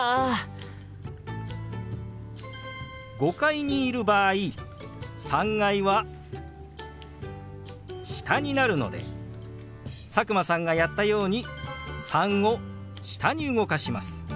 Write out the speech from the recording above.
５階にいる場合３階は下になるので佐久間さんがやったように「３」を下に動かします。